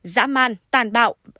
dã man tàn bạo